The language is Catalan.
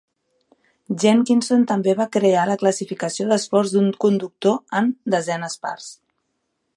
Jenkinson també va crear la classificació d'esforç d'un conductor en "desenes parts".